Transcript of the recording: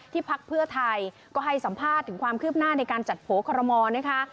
พักเพื่อไทยก็ให้สัมภาษณ์ถึงความคืบหน้าในการจัดโผล่คอรมอลนะคะ